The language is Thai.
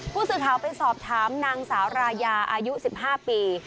ผู้สื่อข่าวไปสอบถามนางสาวรายาอายุ๑๕ปี